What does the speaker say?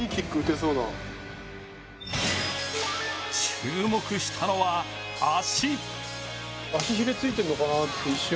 注目したのは、足。